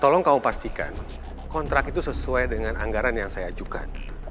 tolong kamu pastikan kontrak itu sesuai dengan anggaran yang saya ajukan